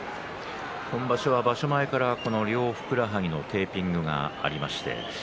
今場所は場所前から両ふくらはぎにテーピングがありました。